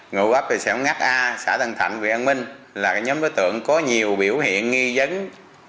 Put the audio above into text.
ngụ bắp xã ngắt a xã thần thạnh huyện an minh là nhóm đối tượng có nhiều biểu hiện nghi dấn